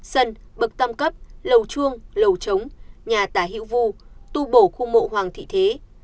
sân bậc tam cấp lầu chuông lầu trống nhà tả hữu vu tu bổ khu mộ hoàng thị thế